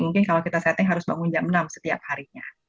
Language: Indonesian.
mungkin kalau kita setting harus bangun jam enam setiap harinya